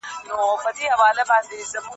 ویره د باور په لاره کي یو خنډ دی.